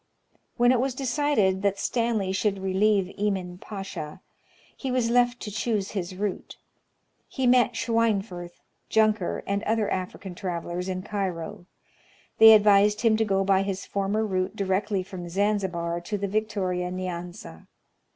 When it was decided that Stanley should relieve Emin Pacha, he was left to choose his route. He met Schweinfui th, Junker, and other African travelers, in Cairo. They advised him to go by his former route directly from Zanzibar to the Victoria Nyanza.